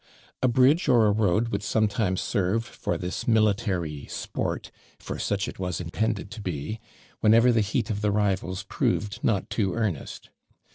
A bridge or a road would sometimes serve for this military sport, for such it was intended to be, whenever the heat of the rivals proved not too earnest.